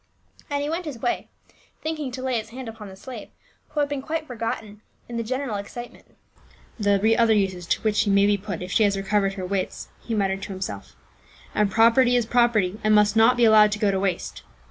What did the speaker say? And he went his wa\', think ing to lay his hand upon the sla\'e, who had been quite forgotten in the general excitement. " There be other uses to which she may be put if she has re covered her wits," he muttered to himself, " and property is property and must not be allowed to go to waste."